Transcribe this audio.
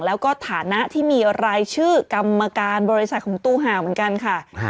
แล้วก็ฐานะที่มีรายชื่อกรรมการบริษัทของตู้ห่าวเหมือนกันค่ะ